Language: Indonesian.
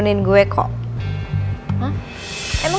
ntar lo juga tau